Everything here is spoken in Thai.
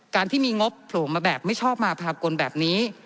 การที่มีงบโผล่มาแบบไม่ชอบมาภากลแบบนี้